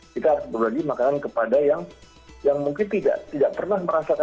kita berbagi makanan kepada yang mungkin tidak pernah merasakan itu atau tidak pernah merasakan itu